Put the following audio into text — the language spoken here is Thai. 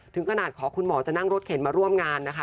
ถึงขนาดขอคุณหมอจะนั่งรถเข็นมาร่วมงานนะคะ